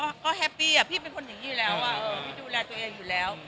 ก็แฮปปี้อ่ะพี่เป็นคนอย่างนี้อยู่แล้วพี่ดูแลตัวเองอยู่แล้ว